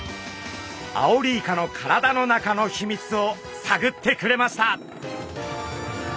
アオリイカの体の中の秘密をさぐってくれました。